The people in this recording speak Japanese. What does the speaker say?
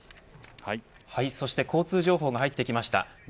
交通情報が入ってきました。